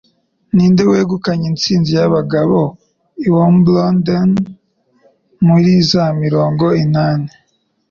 Ninde wegukanye intsinzi y'abagabo i Wimbledon muri za mirongo inani?